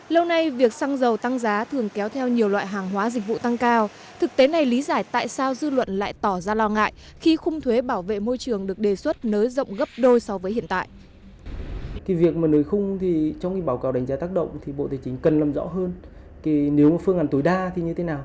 lâu nay việc xăng dầu tăng giá thường kéo theo nhiều loại hàng hóa dịch vụ tăng cao thực tế này lý giải tại sao dư luận lại tỏ ra lo ngại khi khung thuế bảo vệ môi trường được đề xuất nới rộng gấp đôi so với hiện tại